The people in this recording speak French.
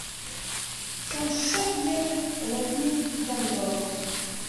Son chef-lieu est la ville d'Indore.